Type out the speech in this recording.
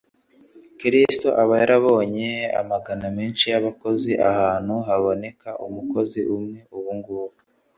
Kristo aba yarabonye amagana menshi y'abakozi ahantu haboneka umukozi umwe ubu ngubu.